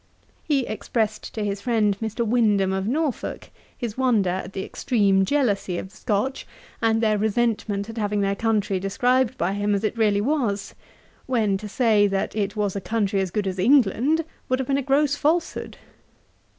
He expressed to his friend Mr. Windham of Norfolk, his wonder at the extreme jealousy of the Scotch, and their resentment at having their country described by him as it really was; when, to say that it was a country as good as England, would have been a gross falsehood.